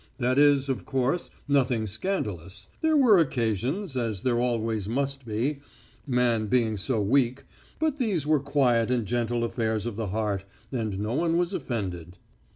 That is, of course, nothing scandalous. There were occasions, as there always must be, man being so weak, but these were quiet and gentle affairs of the heart, and no one was offended.